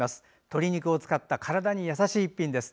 鶏肉を使った体に優しい一品です。